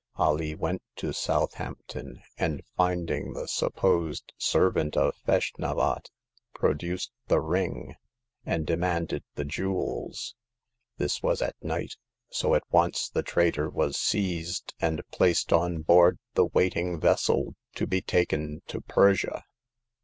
Alee went to Southampton, and finding the supposed servant of Feshnavat, pro duced the ring, and demanded the jewels. This was at night, so at once the traitor was seized, and placed on board the waiting vessel to be taken to Persia."